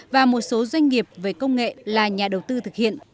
và một số doanh nghiệp về công nghệ là nhà đầu tư thực hiện